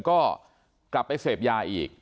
ก็กลับไปเสพยาอีก